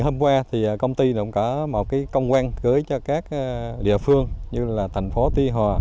hôm qua công ty đã có công quan gửi cho các địa phương như thành phố tuy hòa